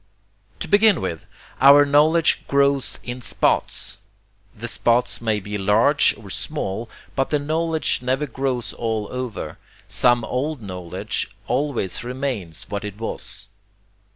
To begin with, our knowledge grows IN SPOTS. The spots may be large or small, but the knowledge never grows all over: some old knowledge always remains what it was.